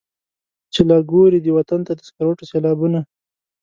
چي لا ګوري دې وطن ته د سکروټو سېلابونه.